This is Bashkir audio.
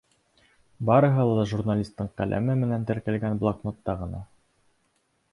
Барыһы ла — журналистың ҡәләме менән теркәлгән блокнотта ғына.